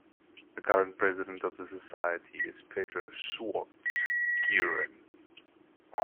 The current president of the Society is Pedro Schwartz Giron.